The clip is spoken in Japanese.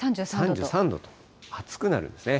３３度と暑くなるんですね。